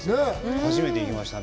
初めて行きましたね。